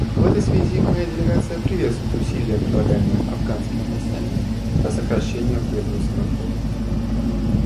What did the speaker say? В этой связи моя делегация приветствует усилия, прилагаемые афганскими властями, по сокращению производства наркотиков.